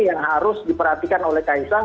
yang harus diperhatikan oleh kaisang